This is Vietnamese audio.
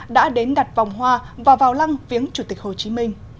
đã đến đặt vòng hoa và vào lăng viếng chủ tịch hồ chí minh